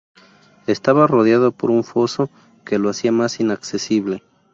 Estaba rodeada por un foso que lo hacía más inaccesible.